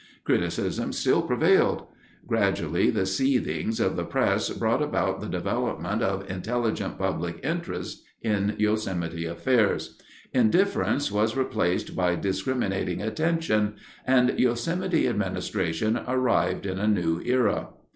Criticism still prevailed. Gradually the seethings of the press brought about the development of intelligent public interest in Yosemite affairs. Indifference was replaced by discriminating attention, and Yosemite administration arrived in a new era.